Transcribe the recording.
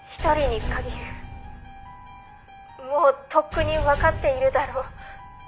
「もうとっくにわかっているだろう」